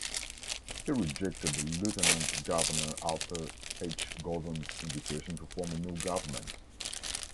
He rejected Lieutenant Governor Arthur H. Gordon's invitation to form a new government.